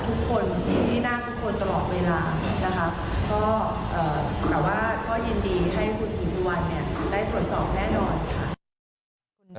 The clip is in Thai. คุณสิริกัญญาบอกว่า๖๔เสียง